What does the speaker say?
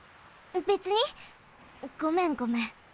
べつにごめんごめん。